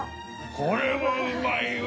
これはうまいわ！